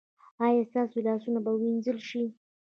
ایا ستاسو لاسونه به وینځل شي؟